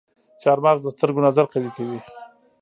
چارمغز د سترګو نظر قوي کوي.